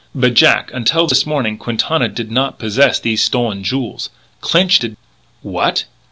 But, Jack, until this morning Quintana did not possess these stolen jewels. Clinch did!" "What!"